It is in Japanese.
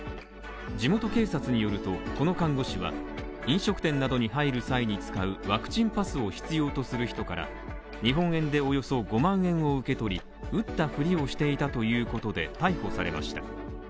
地元警察によると、この看護師は、飲食店などに入る際に使うワクチンパスを必要とする人から、日本円でおよそ５万円を受け取り、打ったふりをしていたということで、逮捕されました。